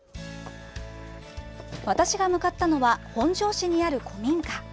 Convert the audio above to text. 私が向かったのは本庄市にある古民家。